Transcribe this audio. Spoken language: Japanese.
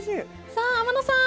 さあ天野さん